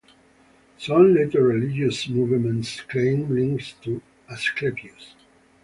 Some later religious movements claimed links to Asclepius.